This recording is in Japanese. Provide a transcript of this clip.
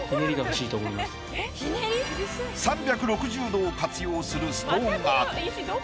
３６０度を活用するストーンアート。